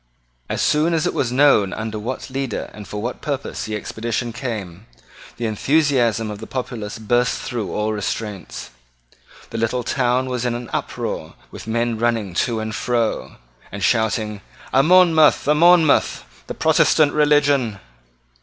As soon as it was known under what leader and for what purpose the expedition came, the enthusiasm of the populace burst through all restraints. The little town was in an uproar with men running to and fro, and shouting "A Monmouth! a Monmouth! the Protestant religion!"